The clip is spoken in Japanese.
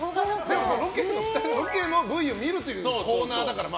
でも、ロケのＶを見るというコーナーだから。